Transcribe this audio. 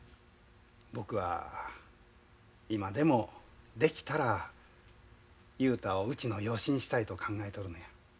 僕は今でもできたら雄太をうちの養子にしたいと考えとるのや。